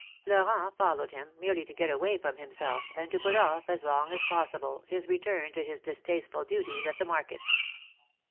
Florent followed him, merely to get away from himself, and to put off as long as possible, his return to his dis tasteful duties at the market.